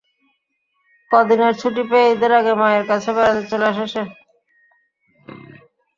কদিনের ছুটি পেয়ে ঈদের আগে মায়ের কাছে বেড়াতে চলে আসে সে।